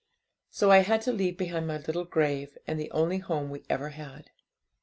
So I had to leave behind my little grave, and the only home we ever had.